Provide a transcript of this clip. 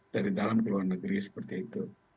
dari dalam ke luar negeri seperti itu